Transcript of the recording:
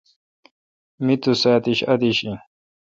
می تو سہ ادیش این۔